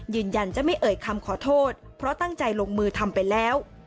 ยืนยันจะไม่เอ่ยคำขอโทษเพราะตั้งใจลงมือทำไปแล้ว